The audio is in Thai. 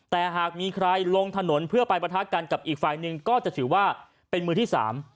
แต่หากมีใครลงถนนเพื่อไปประทะกันกับอีกฝ่ายหนึ่งก็จะถือว่าเป็นมือที่สาม